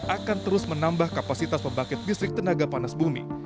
akan terus menambah kapasitas pembangkit listrik tenaga panas bumi